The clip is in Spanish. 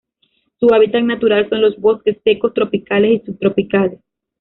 Su hábitat natural son los bosque secos tropicales y subtropicales.